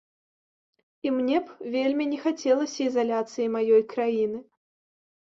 І мне б вельмі не хацелася ізаляцыі маёй краіны.